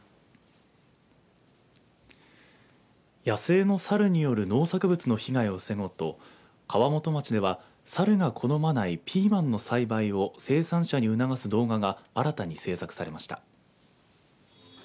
野生のサルによる農作物の被害を防ごうとサルが好まないピーマン栽培を生産者に促す動画が新たに制作されました。